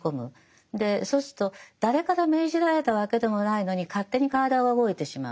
そうすると誰から命じられたわけでもないのに勝手に体が動いてしまう。